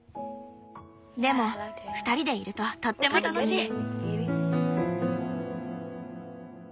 でも２人でいるととっても楽しい。